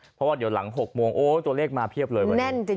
เพราะว่าเดี๋ยวหลัง๖โมงโอ้ยตัวเลขมาเพียบเลยวันนี้แน่นจริง